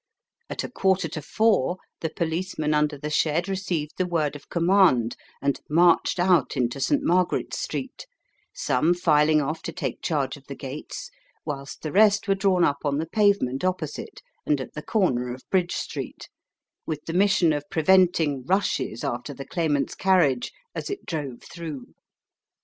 At a quarter to four the policemen under the shed received the word of command, and marched out into St. Margaret's Street, some filing off to take charge of the gates, whilst the rest were drawn up on the pavement opposite and at the corner of Bridge Street, with the mission of preventing rushes after the Claimant's carriage as it drove through.